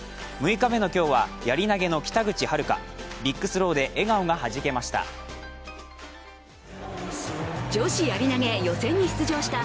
６日目の今日はやり投の北口榛花ビッグスローで笑顔がはじけました。